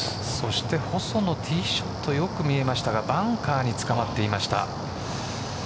そして細野、ティーショットよく見えましたがバンカーにつかまっていました。